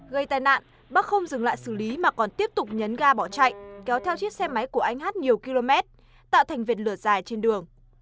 gây tai nạn bắc không dừng lại xử lý mà còn tiếp tục nhấn ga bỏ chạy kéo theo chiếc xe máy của anh hát nhiều km tạo thành vệt lửa dài trên đường